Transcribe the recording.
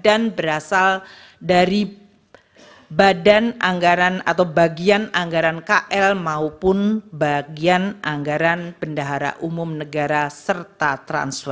dan berasal dari bagian anggaran kl maupun bagian anggaran pendahara umum negara serta transfer